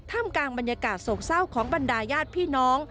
กลางบรรยากาศโศกเศร้าของบรรดาญาติพี่น้อง